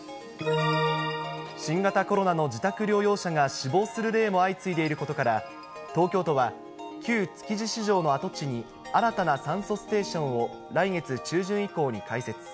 新型コロナの自宅療養者が死亡する例も相次いでいることから、東京都は、旧築地市場の跡地に、新たな酸素ステーションを、来月中旬以降に開設。